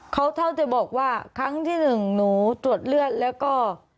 เขาเท่าจะบอกว่าครั้งที่หนึ่งหนูตรวจเลือดแล้วก็